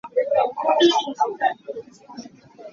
Na kal hoi lai maw?